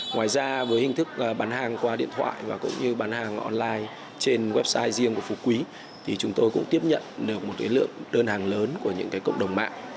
ngoài ra với hình thức bán hàng qua điện thoại và cũng như bán hàng online trên website riêng của phú quý thì chúng tôi cũng tiếp nhận được một lượng đơn hàng lớn của những cộng đồng mạng